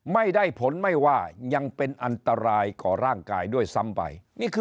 ไม่ได้ผลไม่ว่ายังเป็นอันตรายต่อร่างกายด้วยซ้ำไป